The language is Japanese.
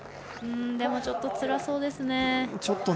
でもちょっと、つらそうですね。